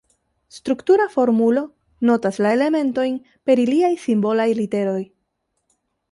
Struktura formulo notas la elementojn per iliaj simbolaj literoj.